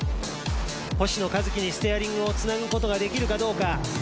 星野一樹にステアリングをつなぐことができるかどうか。